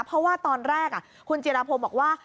เพราะว่าตอนแรกคุณจิราพงศ์บอกว่า